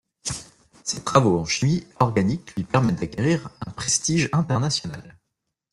Ses travaux en chimie organique lui permettent d'acquérir un prestige international.